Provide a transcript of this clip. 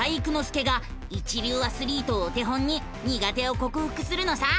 介が一流アスリートをお手本に苦手をこくふくするのさ！